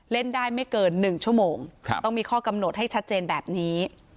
เล่นได้ไม่เกิน๑ชั่วโมงต้องมีข้อกำหนดให้ชัดเจนแบบนี้